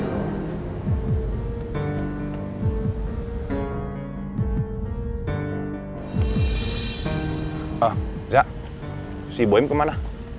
oh zak si boim kemana